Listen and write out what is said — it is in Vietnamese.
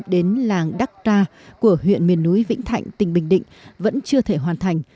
đến làng đắc tra của huyện miền núi vĩnh thạnh tỉnh bình định vẫn chưa thể hoàn thành